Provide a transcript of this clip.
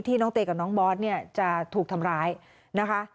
น้องเตยกับน้องบอสเนี่ยจะถูกทำร้ายนะคะ